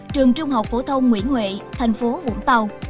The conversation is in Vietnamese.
trường trung học phổ thông nguyễn huệ thành phố vũng tàu